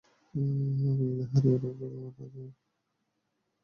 মেয়েকে হারিয়ে আনোয়ারা বেগম নাতনিকে নিয়ে এখন আছেন তাঁর ভাইয়ের আশ্রয়ে।